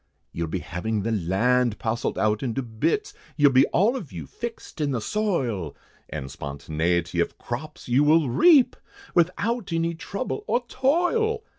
You'll be having the land parcelled out into bits, You'll be all of you fixed in the soil, And spontaniety of crops you will reap, Without any trouble or toil.